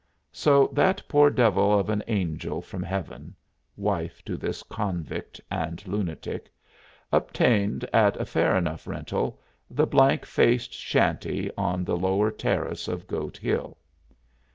So that poor devil of an angel from Heaven wife to this convict and lunatic obtained, at a fair enough rental, the blank faced shanty on the lower terrace of Goat Hill.